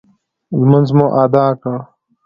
لمونځ مو اداء کړ.